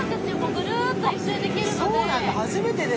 ぐるっと１周できるので。